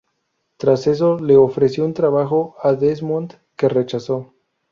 Tras eso, le ofreció un trabajo a Desmond que rechazó.